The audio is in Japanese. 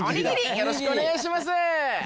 よろしくお願いします。